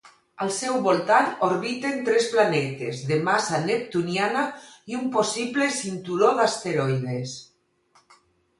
Al seu voltant orbiten tres planetes de massa neptuniana i un possible cinturó d'asteroides.